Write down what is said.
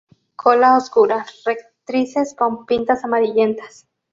Cola oscura; rectrices con pintas amarillentas.